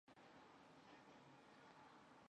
借由门边射入的晨光挑著菜